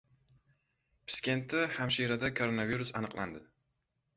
Piskentda hamshirada koronavirus aniqlandi